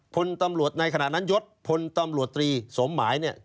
พลตำรวจในขณะนั้นยศพลตำรวจตรีสมหมายเนี่ย